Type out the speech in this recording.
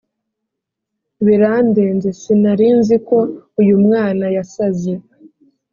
birandenze sinari nziko uyu mwana yasaze